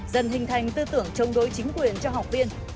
dần hình thành tư tưởng chống đối chính quyền cho học viên